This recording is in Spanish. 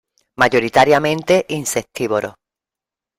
Mayoritariamente insectívoro.